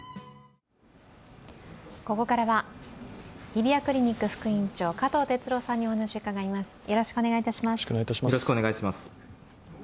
ここからは日比谷クリニック副院長、加藤哲朗さんにお話を伺います。